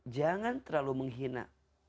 jangan terlalu menghina